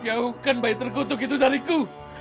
jauhkan bayi terkutuk itu dariku